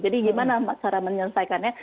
jadi bagaimana cara menyelesaikannya